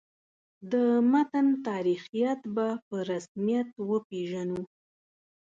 د متن تاریخیت به په رسمیت وپېژنو.